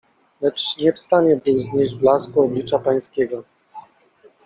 Lecz nie w stanie był znieść blasku Oblicza Pańskiego.